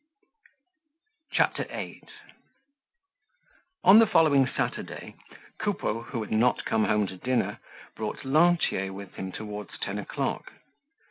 CHAPTER VIII On the following Saturday Coupeau, who had not come home to dinner, brought Lantier with him towards ten o'clock.